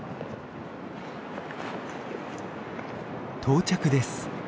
到着です。